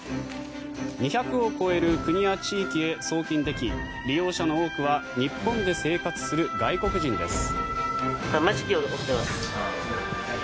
２００を超える国や地域へ送金でき利用者の多くは日本で生活をする外国人です。